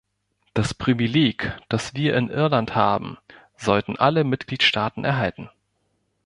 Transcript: Das Privileg, das wir in Irland haben, sollten alle Mitgliedstaaten erhalten.